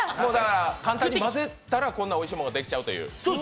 簡単に混ぜたら、こんなおいしいものができちゃうという。